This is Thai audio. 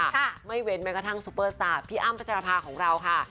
ไม่เว้นแม้กระทั่งซูเปอร์สตาร์พี่อ้ำพัชรภาของเราค่ะ